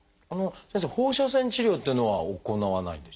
先生放射線治療っていうのは行わないんでしょうか？